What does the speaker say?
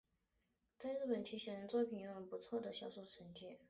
在日本其写真作品拥有不错的销售成绩。